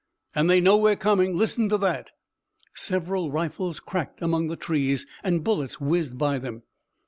"And they know we're coming. Listen to that!" Several rifles cracked among the trees and bullets whizzed by them.